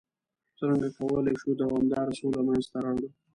څرنګه کولای شو دوامداره سوله منځته راوړ؟